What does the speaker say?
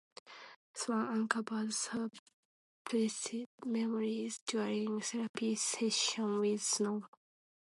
Swan uncovered suppressed memories during therapy sessions with Snow.